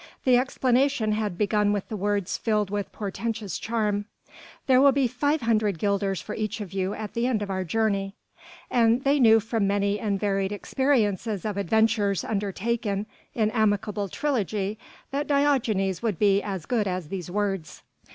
The explanation had begun with the words filled with portentous charm: "There will be 500 guilders for each of you at the end of our journey." And they knew from many and varied experiences of adventures undertaken in amicable trilogy that Diogenes would be as good as these words.